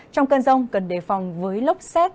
trong cơn rông cần đề phòng với lốc xét